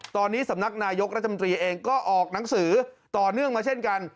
ตอนนี้สำนักนายกรัฐมนตรีเองก็ออกหนังสือต่อเนื่องมาเช่นกัน